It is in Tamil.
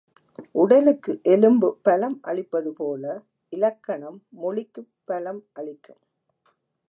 உடலுக்கு எலும்பு பலம் அளிப்பது போல இலக்கணம் மொழிக்குப் பலம் அளிக்கும்.